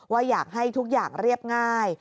ว่าอยากให้ทุกอย่างเรียบง่าย